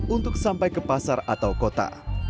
untuk sampai ke pasar atau kota